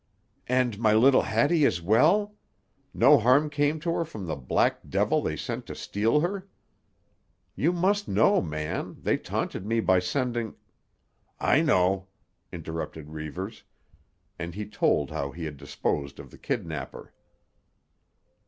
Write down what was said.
"And my little Hattie is well? No harm came to her from the black devil they sent to steal her? You must know, man, they taunted me by sending——" "I know," interrupted Reivers; and he told how he had disposed of the kidnapper.